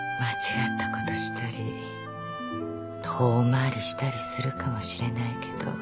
間違ったことしたり遠回りしたりするかもしれないけど。